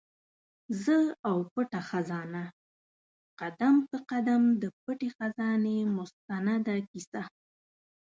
زه او پټه خزانه؛ قدم په قدم د پټي خزانې مستنده کیسه